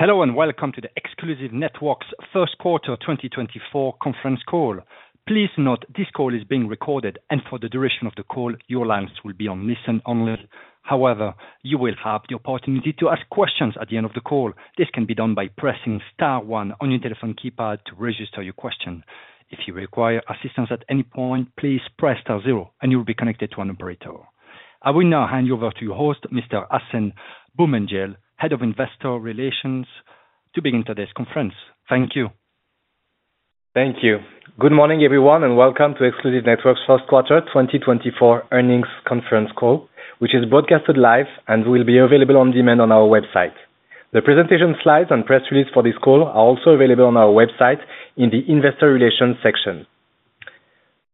Hello, and welcome to the Exclusive Networks first quarter 2024 conference call. Please note this call is being recorded, and for the duration of the call, your lines will be on listen only. However, you will have the opportunity to ask questions at the end of the call. This can be done by pressing star one on your telephone keypad to register your question. If you require assistance at any point, please press star zero, and you'll be connected to an operator. I will now hand you over to your host, Mr. Hacène Boumendjel, Head of Investor Relations, to begin today's conference. Thank you. Thank you. Good morning, everyone, and welcome to Exclusive Networks' first quarter 2024 earnings conference call, which is broadcasted live and will be available on demand on our website. The presentation slides and press release for this call are also available on our website in the investor relations section.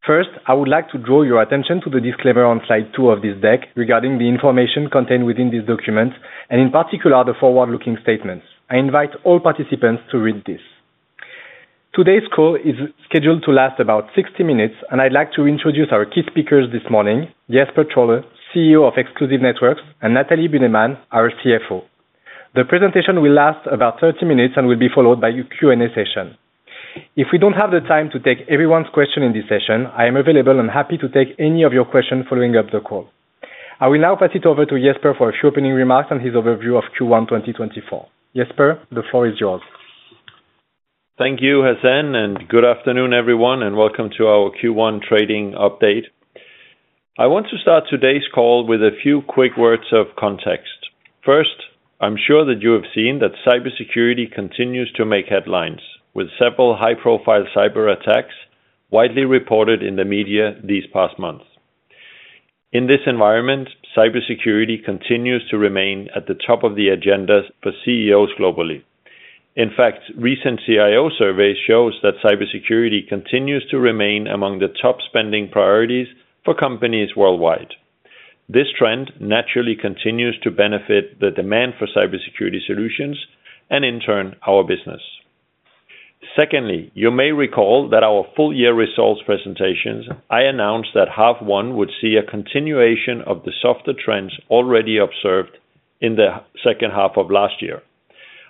First, I would like to draw your attention to the disclaimer on slide two of this deck regarding the information contained within this document, and in particular, the forward-looking statements. I invite all participants to read this. Today's call is scheduled to last about 60 minutes, and I'd like to introduce our key speakers this morning, Jesper Trolle, CEO of Exclusive Networks, and Nathalie Bühnemann, our CFO. The presentation will last about 30 minutes and will be followed by Q&A session. If we don't have the time to take everyone's question in this session, I am available and happy to take any of your questions following up the call. I will now pass it over to Jesper for a few opening remarks and his overview of Q1 2024. Jesper, the floor is yours. Thank you, Hacene, and good afternoon, everyone, and welcome to our Q1 trading update. I want to start today's call with a few quick words of context. First, I'm sure that you have seen that cybersecurity continues to make headlines, with several high-profile cyber attacks widely reported in the media these past months. In this environment, cybersecurity continues to remain at the top of the agendas for CEOs globally. In fact, recent CIO surveys shows that cybersecurity continues to remain among the top spending priorities for companies worldwide. This trend naturally continues to benefit the demand for cybersecurity solutions and in turn, our business. Secondly, you may recall that our full year results presentations, I announced that half one would see a continuation of the softer trends already observed in the second half of last year.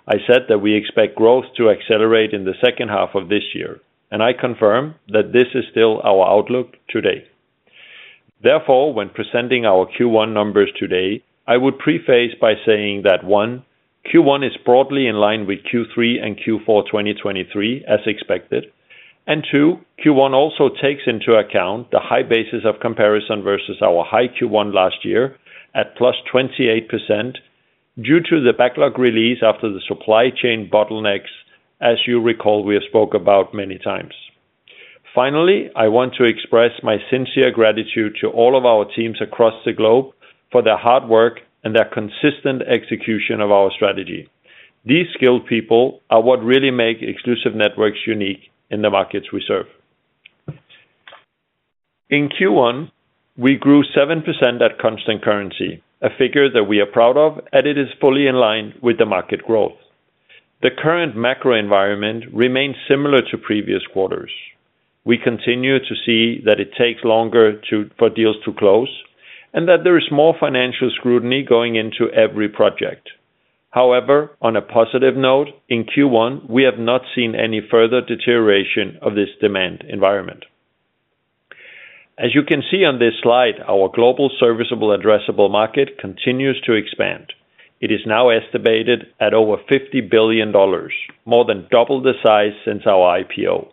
I said that we expect growth to accelerate in the second half of this year, and I confirm that this is still our outlook today. Therefore, when presenting our Q1 numbers today, I would preface by saying that, one, Q1 is broadly in line with Q3 and Q4 2023, as expected. And two, Q1 also takes into account the high basis of comparison versus our high Q1 last year at plus 28%, due to the backlog release after the supply chain bottlenecks, as you recall, we have spoke about many times. Finally, I want to express my sincere gratitude to all of our teams across the globe for their hard work and their consistent execution of our strategy. These skilled people are what really make Exclusive Networks unique in the markets we serve. In Q1, we grew 7% at constant currency, a figure that we are proud of, and it is fully in line with the market growth. The current macro environment remains similar to previous quarters. We continue to see that it takes longer for deals to close, and that there is more financial scrutiny going into every project. However, on a positive note, in Q1, we have not seen any further deterioration of this demand environment. As you can see on this slide, our global serviceable addressable market continues to expand. It is now estimated at over $50 billion, more than double the size since our IPO.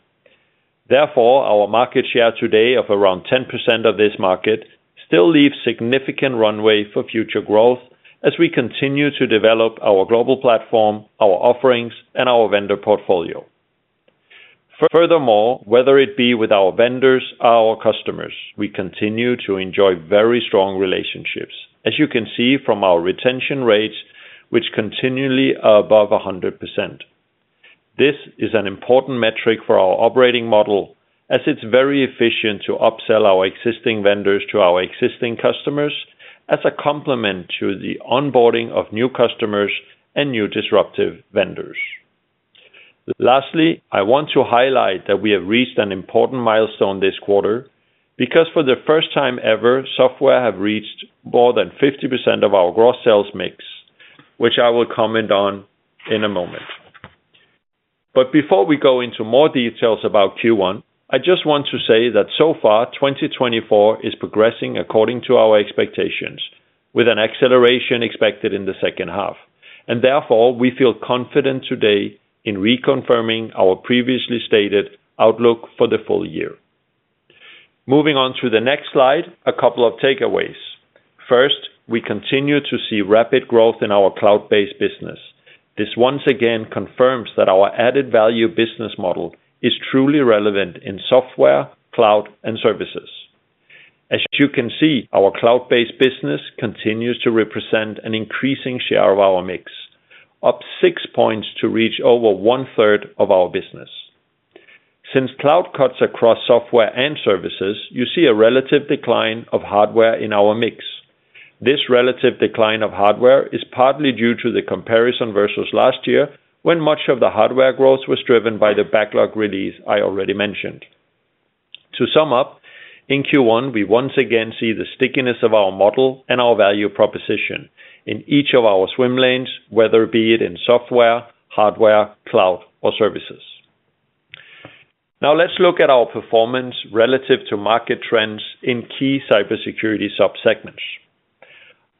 Therefore, our market share today of around 10% of this market still leaves significant runway for future growth as we continue to develop our global platform, our offerings, and our vendor portfolio. Furthermore, whether it be with our vendors or our customers, we continue to enjoy very strong relationships, as you can see from our retention rates, which continually are above 100%. This is an important metric for our operating model, as it's very efficient to upsell our existing vendors to our existing customers as a complement to the onboarding of new customers and new disruptive vendors. Lastly, I want to highlight that we have reached an important milestone this quarter, because for the first time ever, software have reached more than 50% of our gross sales mix, which I will comment on in a moment. But before we go into more details about Q1, I just want to say that so far, 2024 is progressing according to our expectations, with an acceleration expected in the second half, and therefore, we feel confident today in reconfirming our previously stated outlook for the full year. Moving on to the next slide, a couple of takeaways. First, we continue to see rapid growth in our cloud-based business. This once again confirms that our added value business model is truly relevant in software, cloud, and services. As you can see, our cloud-based business continues to represent an increasing share of our mix, up six points to reach over one-third of our business. Since cloud cuts across software and services, you see a relative decline of hardware in our mix. This relative decline of hardware is partly due to the comparison versus last year, when much of the hardware growth was driven by the backlog release I already mentioned. To sum up, in Q1, we once again see the stickiness of our model and our value proposition in each of our swim lanes, whether be it in software, hardware, cloud, or services. Now let's look at our performance relative to market trends in key cybersecurity sub-segments.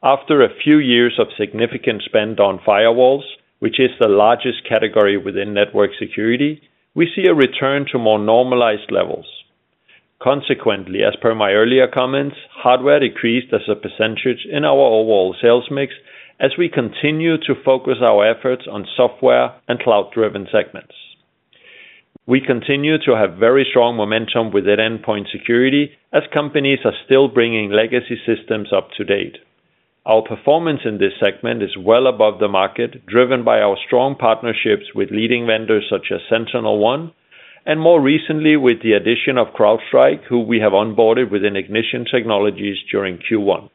After a few years of significant spend on firewalls, which is the largest category within network security, we see a return to more normalized levels. Consequently, as per my earlier comments, hardware decreased as a percentage in our overall sales mix as we continue to focus our efforts on software and cloud-driven segments. We continue to have very strong momentum within endpoint security as companies are still bringing legacy systems up to date. Our performance in this segment is well above the market, driven by our strong partnerships with leading vendors such as SentinelOne, and more recently, with the addition of CrowdStrike, who we have onboarded within Ignition Technologies during Q1.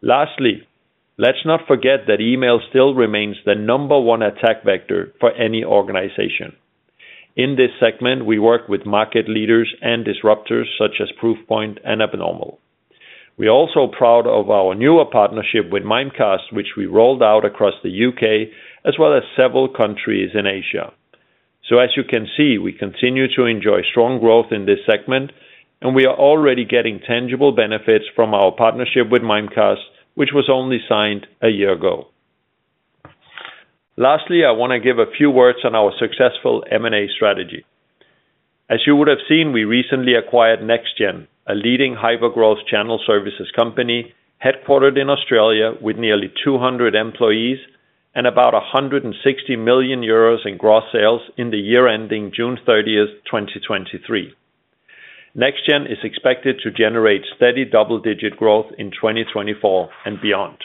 Lastly, let's not forget that email still remains the number one attack vector for any organization. In this segment, we work with market leaders and disruptors such as Proofpoint and Abnormal. We are also proud of our newer partnership with Mimecast, which we rolled out across the U.K., as well as several countries in Asia. So as you can see, we continue to enjoy strong growth in this segment, and we are already getting tangible benefits from our partnership with Mimecast, which was only signed a year ago. Lastly, I want to give a few words on our successful M&A strategy. As you would have seen, we recently acquired NEXTGEN, a leading hypergrowth channel services company, headquartered in Australia with nearly 200 employees and about 160 million euros in gross sales in the year ending June 30th, 2023. NEXTGEN is expected to generate steady double-digit growth in 2024 and beyond.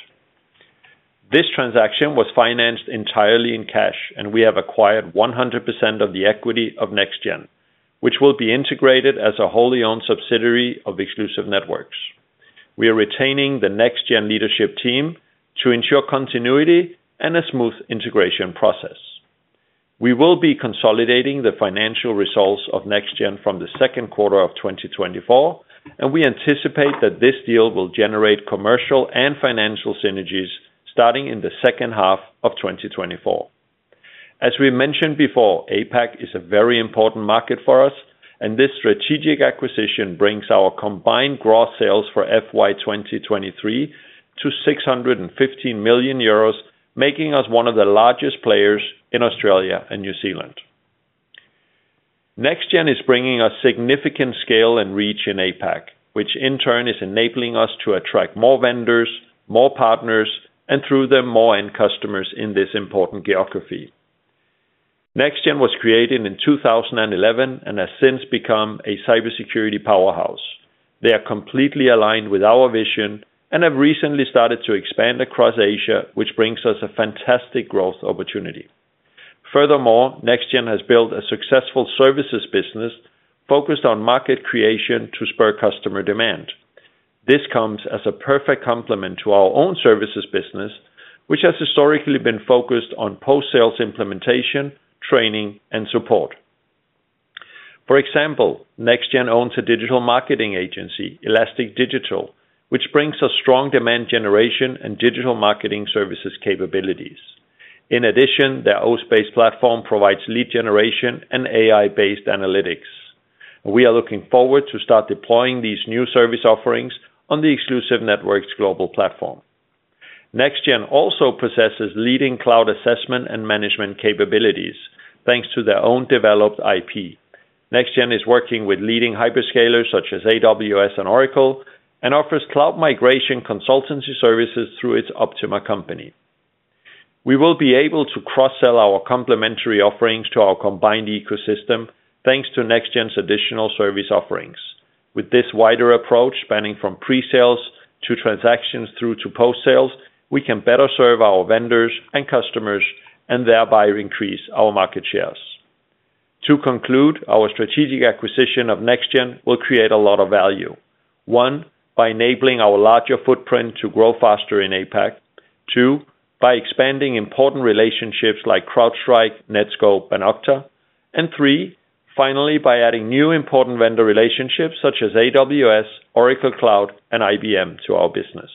This transaction was financed entirely in cash, and we have acquired 100% of the equity of NEXTGEN, which will be integrated as a wholly-owned subsidiary of Exclusive Networks. We are retaining the NEXTGEN leadership team to ensure continuity and a smooth integration process. We will be consolidating the financial results of NEXTGEN from the second quarter of 2024, and we anticipate that this deal will generate commercial and financial synergies starting in the second half of 2024. As we mentioned before, APAC is a very important market for us, and this strategic acquisition brings our combined gross sales for FY 2023 to 615 million euros, making us one of the largest players in Australia and New Zealand. NEXTGEN is bringing us significant scale and reach in APAC, which in turn is enabling us to attract more vendors, more partners, and through them, more end customers in this important geography. NEXTGEN was created in 2011 and has since become a cybersecurity powerhouse. They are completely aligned with our vision and have recently started to expand across Asia, which brings us a fantastic growth opportunity. Furthermore, NEXTGEN has built a successful services business focused on market creation to spur customer demand. This comes as a perfect complement to our own services business, which has historically been focused on post-sales implementation, training, and support. For example, NEXTGEN owns a digital marketing agency, Elastic Digital, which brings us strong demand generation and digital marketing services capabilities. In addition, their oSpace platform provides lead generation and AI-based analytics. We are looking forward to start deploying these new service offerings on the Exclusive Networks global platform. NEXTGEN also possesses leading cloud assessment and management capabilities, thanks to their own developed IP. NEXTGEN is working with leading hyperscalers such as AWS and Oracle, and offers cloud migration consultancy services through its Optima company. We will be able to cross-sell our complementary offerings to our combined ecosystem, thanks to NEXTGEN's additional service offerings. With this wider approach, spanning from pre-sales to transactions through to post-sales, we can better serve our vendors and customers and thereby increase our market shares. To conclude, our strategic acquisition of NEXTGEN will create a lot of value. One, by enabling our larger footprint to grow faster in APAC. Two, by expanding important relationships like CrowdStrike, Netskope, and Okta. And three, finally, by adding new important vendor relationships such as AWS, Oracle Cloud, and IBM to our business.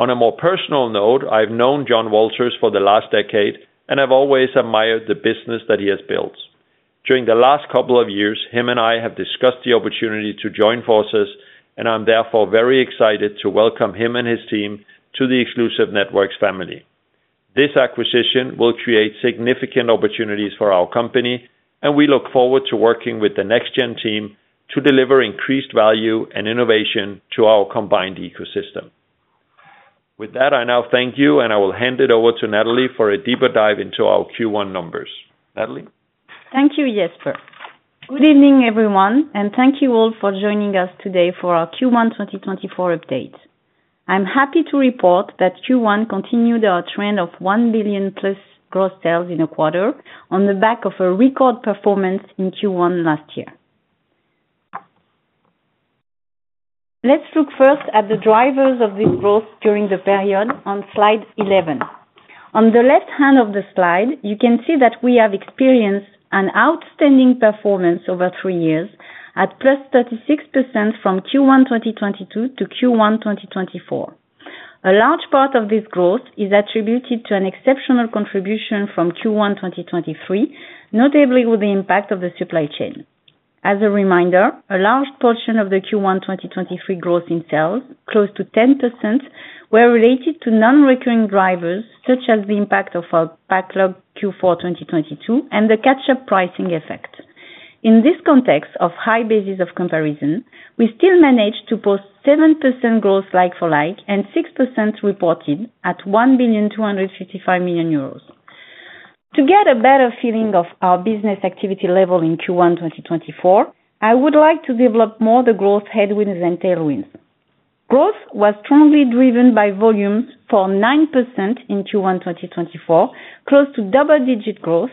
On a more personal note, I've known John Walters for the last decade and have always admired the business that he has built. During the last couple of years, him and I have discussed the opportunity to join forces, and I'm therefore very excited to welcome him and his team to the Exclusive Networks family. This acquisition will create significant opportunities for our company, and we look forward to working with the NEXTGEN team to deliver increased value and innovation to our combined ecosystem. With that, I now thank you, and I will hand it over to Nathalie for a deeper dive into our Q1 numbers. Nathalie? Thank you, Jesper. Good evening, everyone, and thank you all for joining us today for our Q1 2024 update. I'm happy to report that Q1 continued our trend of 1 billion+ gross sales in a quarter on the back of a record performance in Q1 last year. Let's look first at the drivers of this growth during the period on slide 11. On the left hand of the slide, you can see that we have experienced an outstanding performance over three years at +36% from Q1, 2022 to Q1, 2024. A large part of this growth is attributed to an exceptional contribution from Q1, 2023, notably with the impact of the supply chain. As a reminder, a large portion of the Q1 2023 growth in sales, close to 10%, were related to non-recurring drivers, such as the impact of our backlog Q4 2022, and the catch-up pricing effect. In this context of high basis of comparison, we still managed to post 7% growth like for like, and 6% reported at 1,255 million euros. To get a better feeling of our business activity level in Q1 2024, I would like to develop more the growth headwinds and tailwinds. Growth was strongly driven by volumes for 9% in Q1 2024, close to double-digit growth,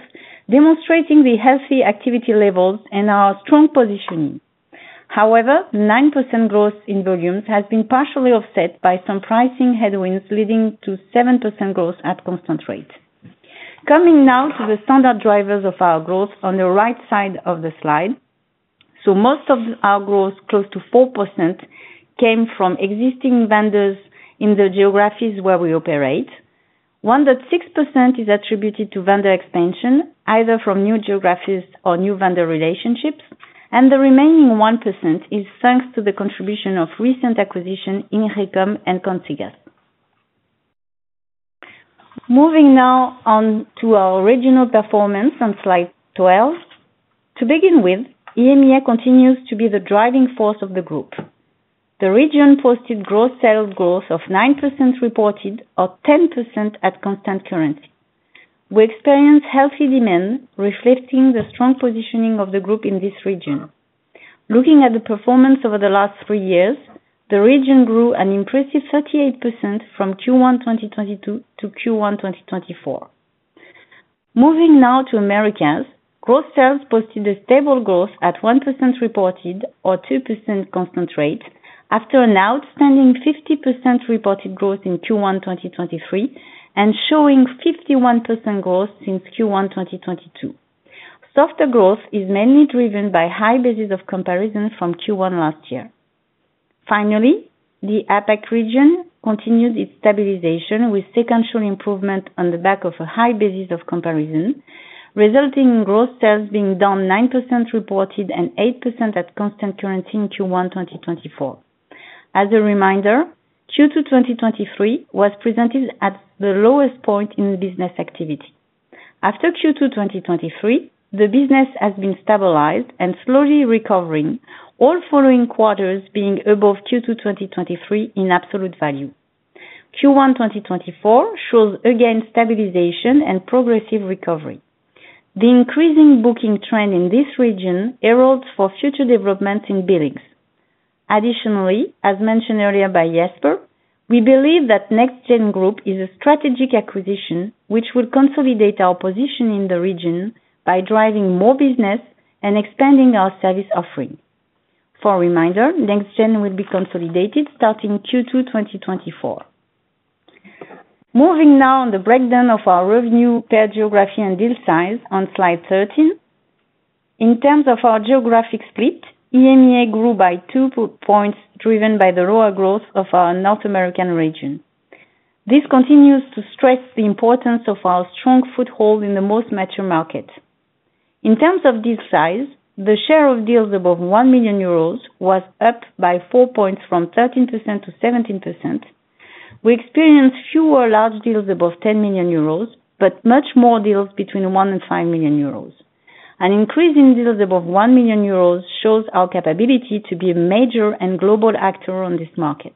demonstrating the healthy activity levels and our strong positioning. However, 9% growth in volumes has been partially offset by some pricing headwinds, leading to 7% growth at constant rate. Coming now to the standard drivers of our growth on the right side of the slide. So most of our growth, close to 4%, came from existing vendors in the geographies where we operate. On that 6% is attributed to vendor expansion, either from new geographies or new vendor relationships, and the remaining 1% is thanks to the contribution of recent acquisition in Ingecom and Consigas. Moving now on to our regional performance on slide 12. To begin with, EMEA continues to be the driving force of the group. The region posted gross sales growth of 9% reported, or 10% at constant currency. We experienced healthy demand, reflecting the strong positioning of the group in this region. Looking at the performance over the last three years, the region grew an impressive 38% from Q1 2022 to Q1 2024. Moving now to Americas. Gross sales posted a stable growth at 1% reported or 2% constant rate, after an outstanding 50% reported growth in Q1 2023, and showing 51% growth since Q1 2022. Softer growth is mainly driven by high basis of comparison from Q1 last year. Finally, the APAC region continued its stabilization, with sequential improvement on the back of a high basis of comparison, resulting in gross sales being down 9% reported and 8% at constant currency in Q1 2024. As a reminder, Q2 2023 was presented at the lowest point in the business activity. After Q2 2023, the business has been stabilized and slowly recovering, all following quarters being above Q2 2023 in absolute value. Q1 2024 shows again stabilization and progressive recovery. The increasing booking trend in this region heralds for future development in billings. Additionally, as mentioned earlier by Jesper, we believe that NEXTGEN Group is a strategic acquisition, which will consolidate our position in the region by driving more business and expanding our service offering. For a reminder, NEXTGEN will be consolidated starting Q2 2024. Moving now on the breakdown of our revenue per geography and deal size on slide 13. In terms of our geographic split, EMEA grew by two points, driven by the lower growth of our North American region. This continues to stress the importance of our strong foothold in the most mature market. In terms of deal size, the share of deals above 1 million euros was up by four points, from 13% to 17%. We experienced fewer large deals above 10 million euros, but much more deals between 1 million and 5 million euros. An increase in deals above 1 million euros shows our capability to be a major and global actor on this market.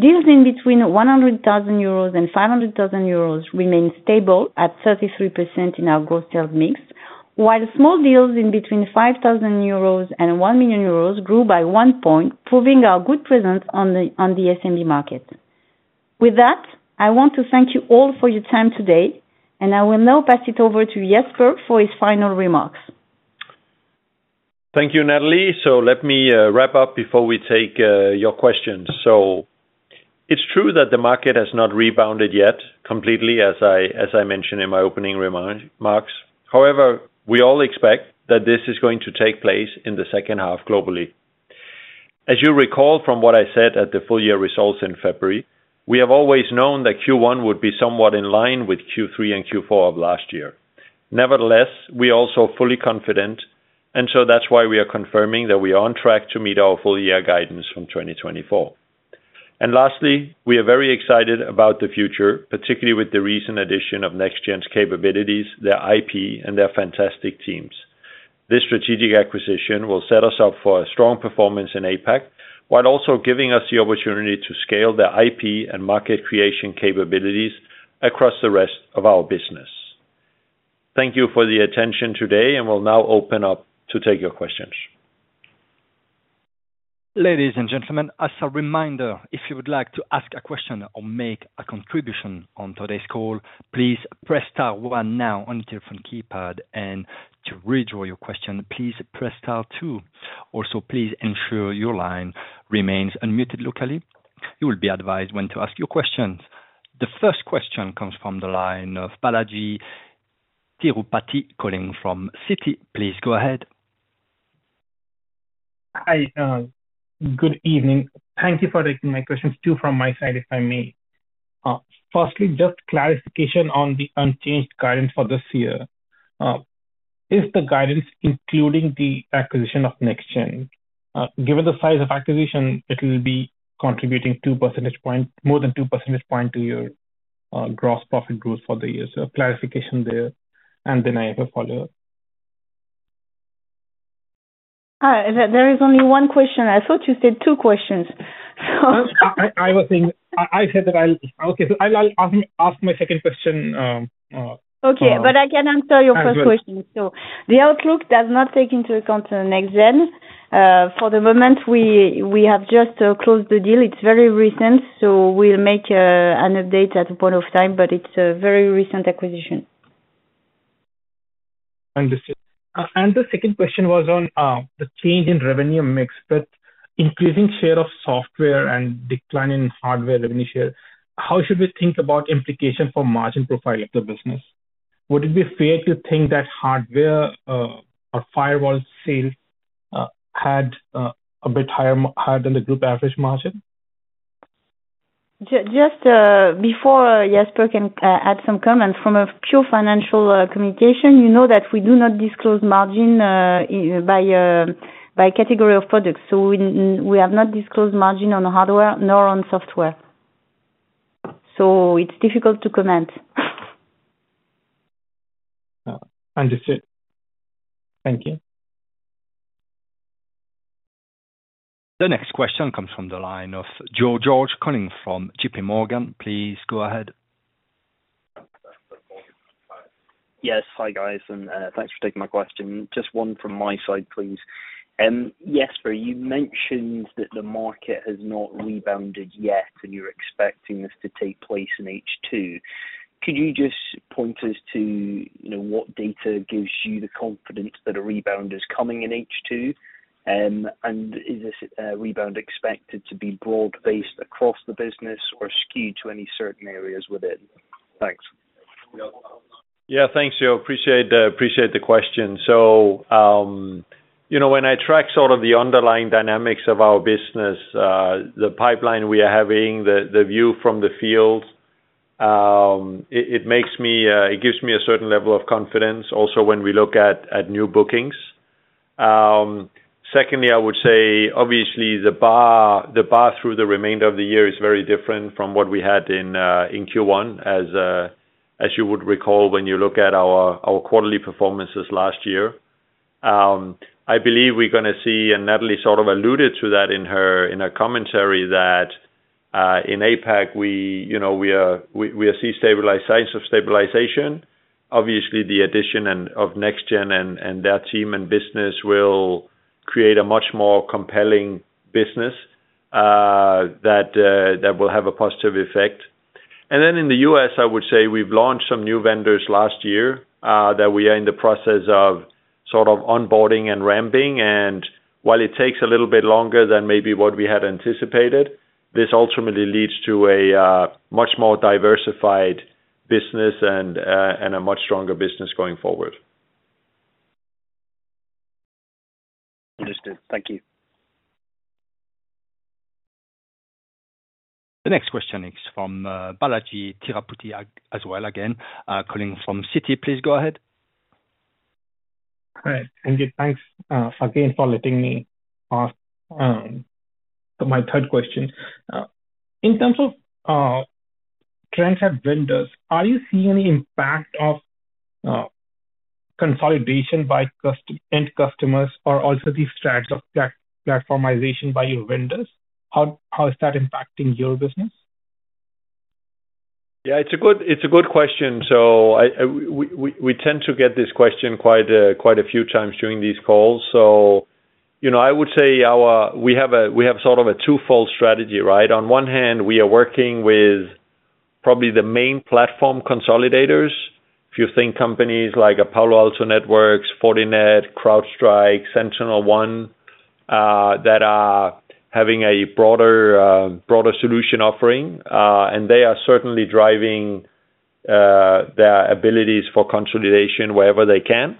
Deals in between 100,000 euros and 500,000 euros remained stable at 33% in our gross sales mix, while small deals in between 5,000 euros and 1 million euros grew by 1%, proving our good presence on the SMB market. With that, I want to thank you all for your time today, and I will now pass it over to Jesper for his final remarks. Thank you, Nathalie. So let me, wrap up before we take, your questions. So it's true that the market has not rebounded yet completely, as I, as I mentioned in my opening remarks. However, we all expect that this is going to take place in the second half globally. As you recall from what I said at the full year results in February, we have always known that Q1 would be somewhat in line with Q3 and Q4 of last year. Nevertheless, we are also fully confident, and so that's why we are confirming that we are on track to meet our full year guidance from 2024. And lastly, we are very excited about the future, particularly with the recent addition of NEXTGEN's capabilities, their IP, and their fantastic teams. This strategic acquisition will set us up for a strong performance in APAC, while also giving us the opportunity to scale their IP and market creation capabilities across the rest of our business. Thank you for the attention today, and we'll now open up to take your questions. Ladies and gentlemen, as a reminder, if you would like to ask a question or make a contribution on today's call, please press star one now on your phone keypad, and to withdraw your question, please press star two. Also, please ensure your line remains unmuted locally. You will be advised when to ask your questions.... The first question comes from the line of Balajee Tirupati, calling from Citi. Please go ahead. Hi, good evening. Thank you for taking my questions, two from my side, if I may. Firstly, just clarification on the unchanged guidance for this year. Is the guidance including the acquisition of NEXTGEN? Given the size of acquisition, it will be contributing 2 percentage point—more than 2 percentage point to your gross profit growth for the year. So clarification there, and then I have a follow-up. There is only one question. I thought you said two questions, so- I was saying, I said that I'll... Okay. So I'll ask my second question. Okay. But I can answer your first question. Okay. So the outlook does not take into account the NEXTGEN. For the moment, we have just closed the deal. It's very recent, so we'll make an update at a point of time, but it's a very recent acquisition. Understood. And the second question was on the change in revenue mix, but increasing share of software and decline in hardware revenue share. How should we think about implication for margin profile of the business? Would it be fair to think that hardware or firewall sales had a bit higher, higher than the group average margin? Just, before Jesper can add some comments, from a pure financial communication, you know that we do not disclose margin by category of products. So we have not disclosed margin on hardware nor on software. So it's difficult to comment. Understood. Thank you. The next question comes from the line of Joe George, calling from JPMorgan. Please go ahead. Yes. Hi, guys, and thanks for taking my question. Just one from my side, please. Jesper, you mentioned that the market has not rebounded yet, and you're expecting this to take place in H2. Could you just point us to, you know, what data gives you the confidence that a rebound is coming in H2? And is this rebound expected to be broad-based across the business or skewed to any certain areas within? Thanks. Yeah. Thanks, Joe. Appreciate the question. So, you know, when I track sort of the underlying dynamics of our business, the pipeline we are having, the view from the field, it makes me, it gives me a certain level of confidence also when we look at new bookings. Secondly, I would say obviously the bar through the remainder of the year is very different from what we had in Q1, as you would recall, when you look at our quarterly performances last year. I believe we're gonna see, and Nathalie sort of alluded to that in her commentary, that in APAC, you know, we are seeing signs of stabilization. Obviously, the addition of NEXTGEN and their team and business will create a much more compelling business that will have a positive effect. And then in the U.S., I would say we've launched some new vendors last year that we are in the process of sort of onboarding and ramping. And while it takes a little bit longer than maybe what we had anticipated, this ultimately leads to a much more diversified business and a much stronger business going forward. Understood. Thank you. The next question is from Balajee Tirupati, as well again, calling from Citi. Please go ahead. Hi, and thanks again, for letting me ask my third question. In terms of trends at vendors, are you seeing any impact of consolidation by end customers, or also the strides of platformization by your vendors? How is that impacting your business? Yeah, it's a good, it's a good question. So I... we, we tend to get this question quite, quite a few times during these calls. So, you know, I would say our, we have a, we have sort of a twofold strategy, right? On one hand, we are working with probably the main platform consolidators. If you think companies like a Palo Alto Networks, Fortinet, CrowdStrike, SentinelOne, that are having a broader, broader solution offering, and they are certainly driving, their abilities for consolidation wherever they can.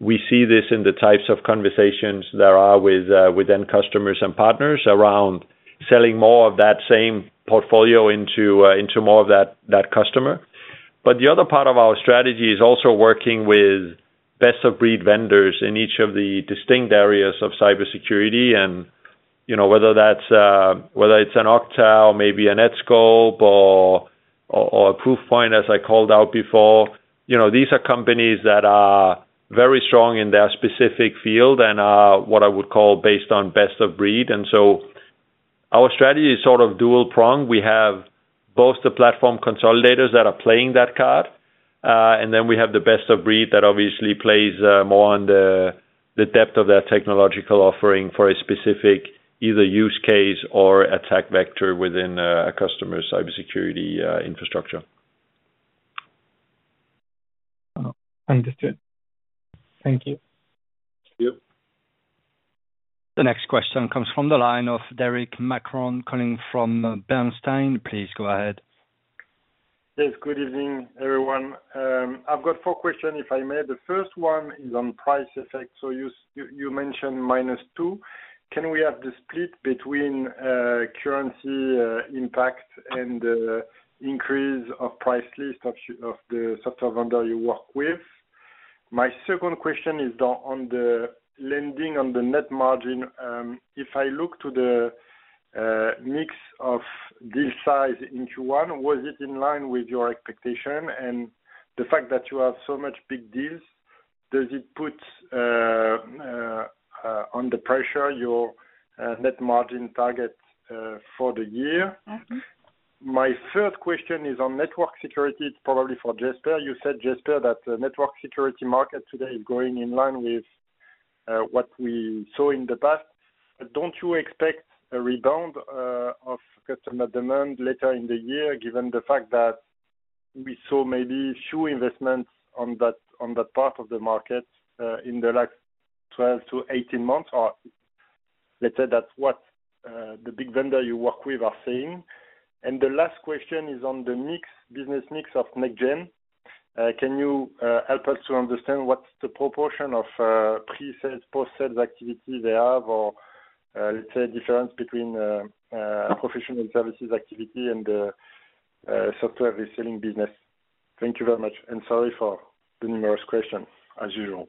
We see this in the types of conversations there are with, with end customers and partners around selling more of that same portfolio into, into more of that, that customer. But the other part of our strategy is also working with best-of-breed vendors in each of the distinct areas of cybersecurity. And, you know, whether that's, whether it's an Okta, maybe a Netskope or, or, or a Proofpoint, as I called out before, you know, these are companies that are very strong in their specific field and, what I would call based on best of breed. And so our strategy is sort of dual prong. We have both the platform consolidators that are playing that card, and then we have the best of breed that obviously plays, more on the depth of their technological offering for a specific, either use case or attack vector within a customer's cybersecurity infrastructure.... Understood. Thank you. Thank you. The next question comes from the line of Derric Marcon, calling from Societe Generale. Please go ahead. Yes, good evening, everyone. I've got four questions, if I may. The first one is on price effect. So you mentioned -2. Can we have the split between currency impact and increase of price list of the software vendor you work with? My second question is down on the lending, on the net margin. If I look to the mix of this size into one, was it in line with your expectation? And the fact that you have so much big deals, does it put under pressure your net margin target for the year? Mm-hmm. My third question is on network security. It's probably for Jesper. You said, Jesper, that the network security market today is going in line with what we saw in the past. But don't you expect a rebound of customer demand later in the year, given the fact that we saw maybe two investments on that, on that part of the market, in the last 12 months to eight months? Or let's say that's what the big vendor you work with are saying. And the last question is on the mix, business mix of NEXTGEN. Can you help us to understand what's the proportion of pre-sales, post-sales activity they have, or, let's say, difference between professional services activity and software reselling business? Thank you very much, and sorry for the numerous questions, as usual.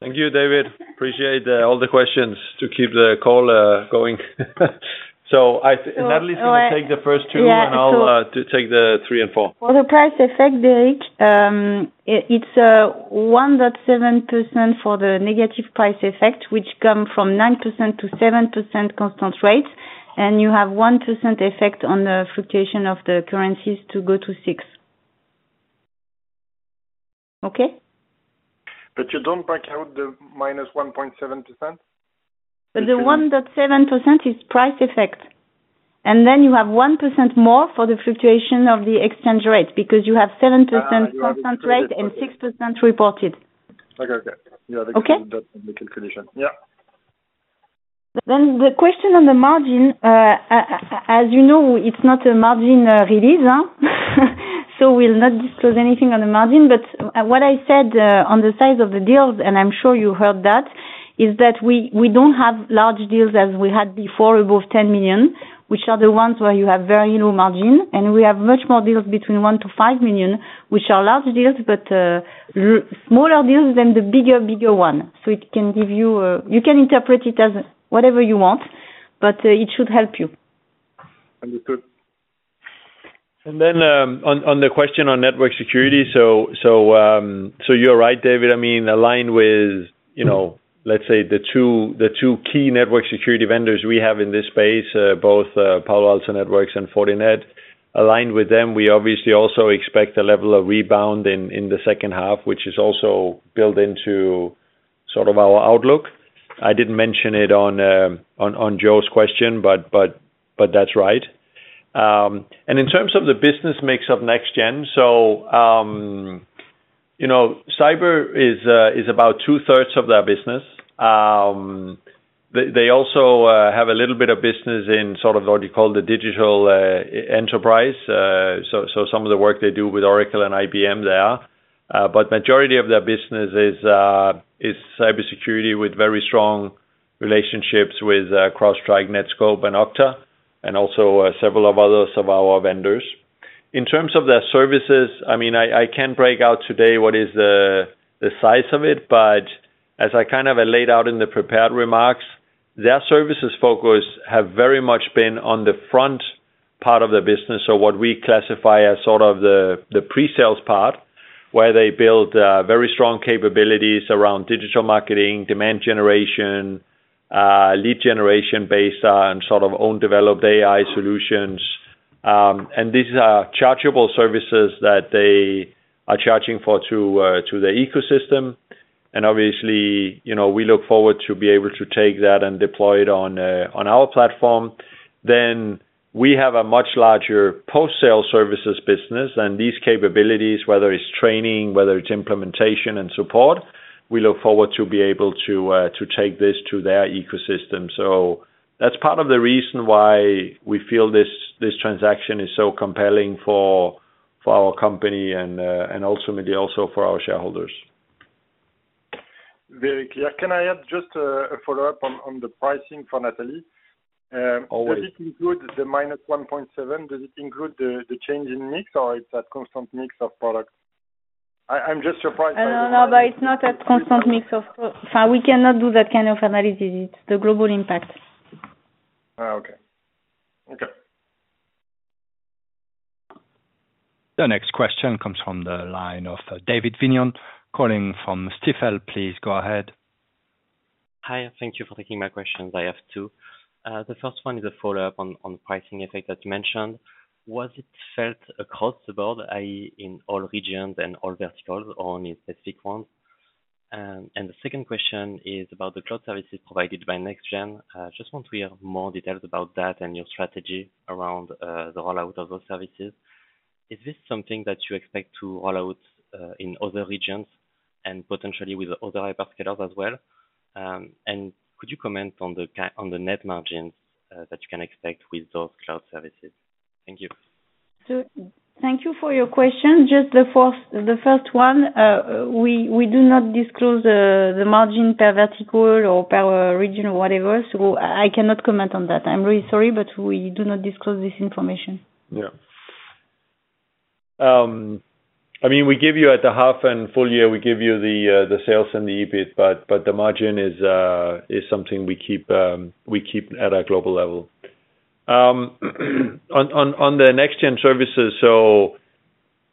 Thank you, Derric. Appreciate all the questions to keep the call going. So I- So, uh- Nathalie can take the first two- Yeah, so- And I'll take the three and four. For the price effect, Derric, it's 1.7% for the negative price effect, which come from 9%-7% constant rate, and you have 1% effect on the fluctuation of the currencies to go to six. Okay? But you don't break out the -1.7%? The one that 1.7% is price effect, and then you have 1% more for the fluctuation of the exchange rate, because you have 7% You have exchange rate.... constant rate and 6% reported. Okay, okay. Okay? Yeah, the calculation. Yeah. Then the question on the margin, as you know, it's not a margin release, huh? So we'll not disclose anything on the margin, but, what I said on the size of the deals, and I'm sure you heard that, is that we don't have large deals as we had before, above 10 million, which are the ones where you have very low margin. And we have much more deals between 1 million-5 million, which are large deals, but, smaller deals than the bigger one. So it can give you... You can interpret it as whatever you want, but, it should help you. Understood. And then, on the question on network security, so you're right, David. I mean, aligned with, you know, let's say the two key network security vendors we have in this space, Palo Alto Networks and Fortinet. Aligned with them, we obviously also expect a level of rebound in the second half, which is also built into sort of our outlook. I didn't mention it on Joe's question, but that's right. And in terms of the business mix of NEXTGEN, so you know, cyber is about two-thirds of their business. They also have a little bit of business in sort of what you call the digital enterprise. So some of the work they do with Oracle and IBM there. But majority of their business is cybersecurity, with very strong relationships with Check Point, Netskope and Okta, and also several of others of our vendors. In terms of their services, I mean, I can't break out today what is the size of it, but as I kind of laid out in the prepared remarks, their services focus have very much been on the front part of the business, so what we classify as sort of the pre-sales part, where they build very strong capabilities around digital marketing, demand generation, lead generation based on sort of own developed AI solutions. And these are chargeable services that they are charging for to the ecosystem. And obviously, you know, we look forward to be able to take that and deploy it on our platform. Then we have a much larger post-sale services business, and these capabilities, whether it's training, whether it's implementation and support, we look forward to be able to, to take this to their ecosystem. So that's part of the reason why we feel this, this transaction is so compelling for, for our company and, and ultimately also for our shareholders. Very clear. Can I add just a follow-up on the pricing for Nathalie? Always. Does it include the -1.7? Does it include the, the change in mix, or it's that constant mix of products? I- I'm just surprised by the- No, no, no, but it's not a constant mix of... So we cannot do that kind of analysis. It's the global impact. Oh, okay. Okay. The next question comes from the line of David Vignon, calling from Stifel. Please go ahead. Hi, thank you for taking my questions. I have two. The first one is a follow-up on pricing effect that you mentioned. Was it felt across the board, i.e., in all regions and all verticals, or only specific ones? And the second question is about the cloud services provided by NEXTGEN. Just want to hear more details about that and your strategy around the rollout of those services. Is this something that you expect to roll out in other regions and potentially with other hyperscalers as well? And could you comment on the net margins that you can expect with those cloud services? Thank you. So thank you for your question. Just the first, the first one, we, we do not disclose, the margin per vertical or per region or whatever, so I, I cannot comment on that. I'm really sorry, but we do not disclose this information. Yeah. I mean, we give you at the half and full year, we give you the, the sales and the EBIT, but, but the margin is, is something we keep, we keep at a global level. On, on, on the NEXTGEN services, so,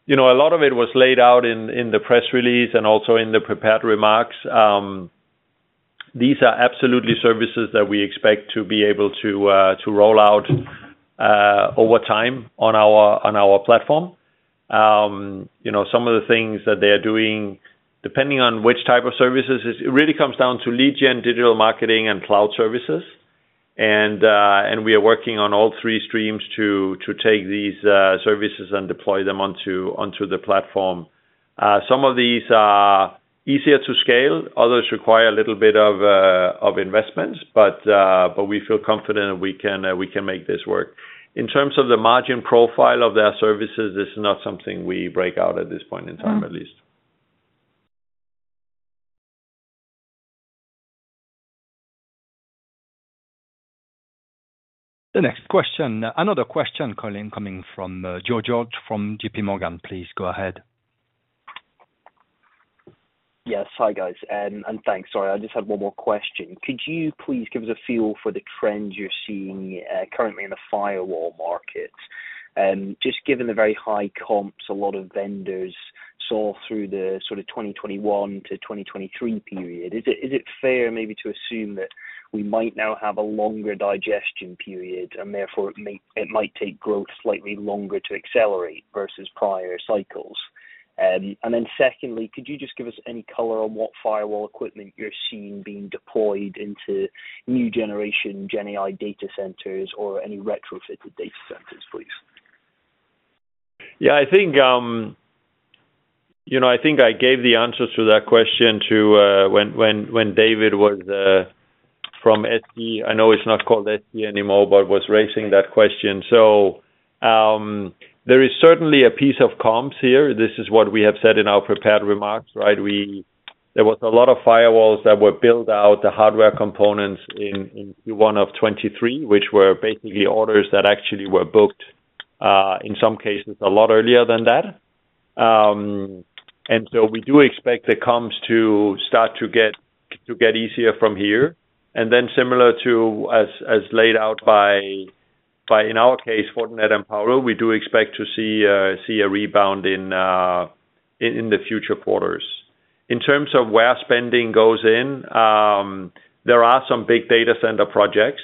you know, a lot of it was laid out in, in the press release and also in the prepared remarks. These are absolutely services that we expect to be able to, to roll out, over time on our, on our platform. You know, some of the things that they are doing, depending on which type of services, it, it really comes down to lead gen, digital marketing, and cloud services. And, and we are working on all three streams to, to take these, services and deploy them onto, onto the platform. Some of these are easier to scale, others require a little bit of investment, but we feel confident that we can make this work. In terms of the margin profile of their services, this is not something we break out at this point in time, at least. The next question, another question coming from Joe George from JPMorgan. Please go ahead. Yes. Hi, guys, and thanks. Sorry, I just had one more question. Could you please give us a feel for the trends you're seeing currently in the firewall market? Just given the very high comps a lot of vendors saw through the sort of 2021 to 2023 period, is it, is it fair maybe to assume that we might now have a longer digestion period, and therefore it may, it might take growth slightly longer to accelerate versus prior cycles? And then secondly, could you just give us any color on what firewall equipment you're seeing being deployed into new generation GenAI data centers or any retrofitted data centers, please? Yeah, I think, you know, I think I gave the answers to that question to when Derric was from SG. I know it's not called SG anymore, but was raising that question. So, there is certainly a piece of comps here. This is what we have said in our prepared remarks, right? We. There was a lot of firewalls that were built out, the hardware components in Q1 of 2023, which were basically orders that actually were booked in some cases, a lot earlier than that. And so we do expect the comps to start to get easier from here. And then similar to as laid out by in our case, Fortinet and Palo, we do expect to see a rebound in the future quarters. In terms of where spending goes in, there are some big data center projects,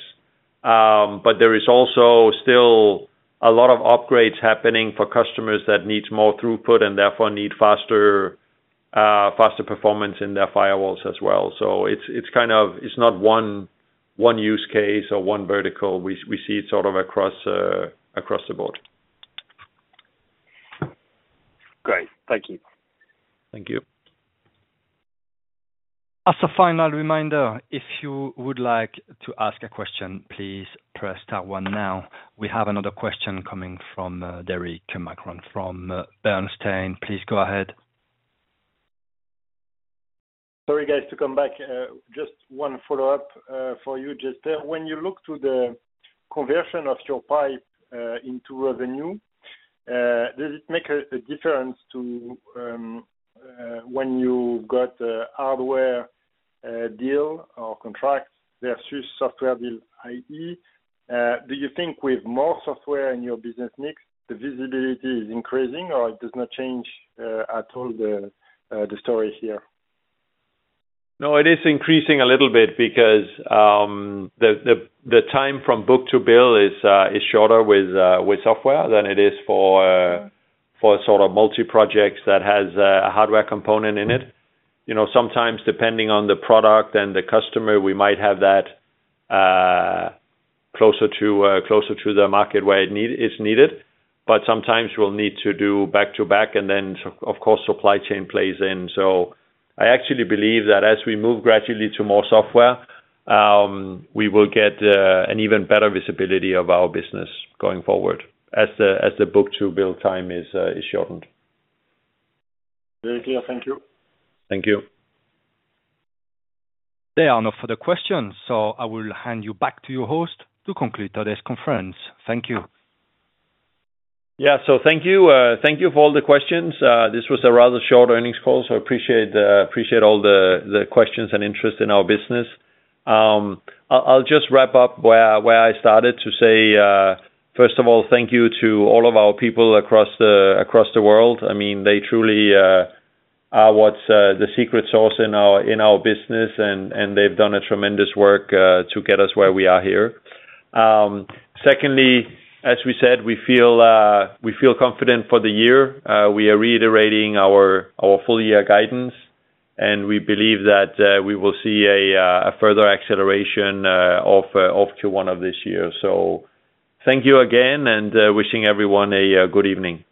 but there is also still a lot of upgrades happening for customers that needs more throughput and therefore need faster performance in their firewalls as well. So it's kind of. It's not one use case or one vertical. We see it sort of across the board. Great. Thank you. Thank you. As a final reminder, if you would like to ask a question, please press star one now. We have another question coming from Derric Marcon from Bernstein. Please go ahead. Sorry, guys, to come back. Just one follow-up for you, just, when you look to the conversion of your pipe into revenue, does it make a difference to when you got a hardware deal or contract versus software deal, i.e., do you think with more software in your business mix, the visibility is increasing or it does not change at all the story here? No, it is increasing a little bit because the time from book to bill is shorter with software than it is for sort of multi-projects that has a hardware component in it. You know, sometimes depending on the product and the customer, we might have that closer to the market where it is needed, but sometimes we'll need to do back to back, and then, of course, supply chain plays in. So I actually believe that as we move gradually to more software, we will get an even better visibility of our business going forward as the book to bill time is shortened. Very clear. Thank you. Thank you. There are no further questions, so I will hand you back to your host to conclude today's conference. Thank you. Yeah. So thank you. Thank you for all the questions. This was a rather short earnings call, so appreciate the-- appreciate all the questions and interest in our business. I'll just wrap up where I started to say, first of all, thank you to all of our people across the world. I mean, they truly are what's the secret sauce in our business, and they've done a tremendous work to get us where we are here. Secondly, as we said, we feel confident for the year. We are reiterating our full year guidance, and we believe that we will see a further acceleration off to one of this year. So thank you again, and wishing everyone a good evening.